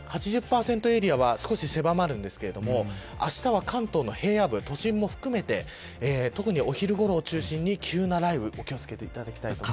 ８０％エリアは少し狭まるんですがあしたは関東の平野部都市部も含め特にお昼ごろを中心に急な雷雨、お気を付けください。